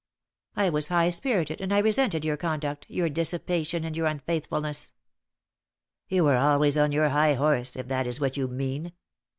I was high spirited, and I resented your conduct your dissipation and your unfaithfulness." "You were always on your high horse, if that is what you mean."